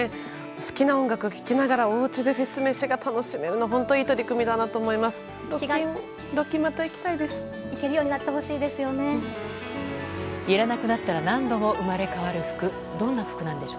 好きな音楽を聴きながらおうちでフェス飯が楽しめるのは本当いい取り組みだなと思います。